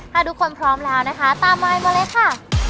ถ้าทุกคนพร้อมแล้วนะคะตามมายมาเลยค่ะ